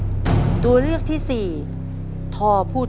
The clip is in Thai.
คุณยายแจ้วเลือกตอบจังหวัดนครราชสีมานะครับ